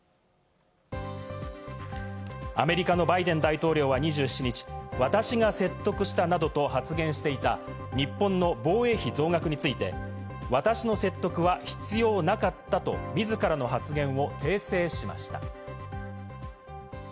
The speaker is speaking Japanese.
アメリカのバイデン大統領は２７日、私が説得したなどと発言していた日本の防衛費増額について、私の説得は必要なかったと自らの発言を訂正しました。